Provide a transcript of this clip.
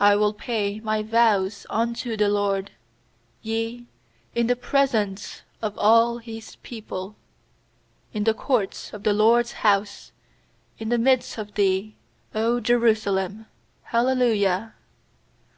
18I will pay my vows unto the LORD, Yea, in the presence of all His people; 19In the courts of the LORD'S house, In the midst of thee, 0 Jerusalem. Hallelujah.